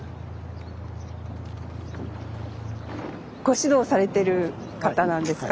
ご指導されてる方なんですか？